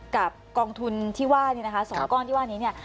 กับกองทุนที่ว่านี้นะคะสองก้อนที่ว่านี้เนี่ย